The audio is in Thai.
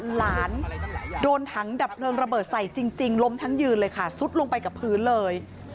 หลานโดนถังดับเพลิงระเบิดใส่จริงล้มทั้งยืนเลยค่ะซุดลงไปกับพื้นเลย